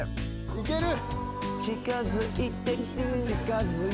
いける！